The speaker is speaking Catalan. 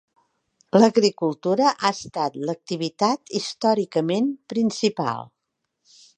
L'agricultura ha estat l'activitat històricament principal.